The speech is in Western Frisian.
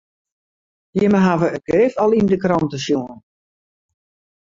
Jimme hawwe it grif al yn de krante sjoen.